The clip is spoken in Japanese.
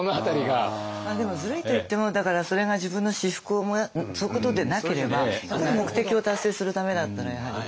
でもズルいと言ってもだからそれが自分の私腹をそういうことでなければ目的を達成するためだったらやはり。